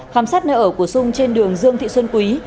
khám sát nơi ở của sung trên đường dương thị xuân quý